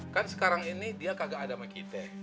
kan sekarang ini dia kagak ada sama kita